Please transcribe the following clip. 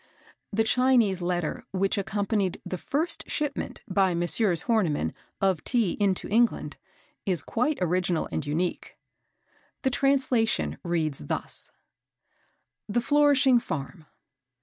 The Chinese letter which accompanied the first shipment, by Messrs. Horniman, of Tea into England, is quite original and unique." The translation reads thus: "The Flourishing Farm.